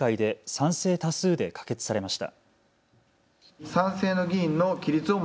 賛成多数で可決されました。